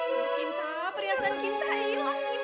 mbak kinta perhiasan kita hilang gimana dok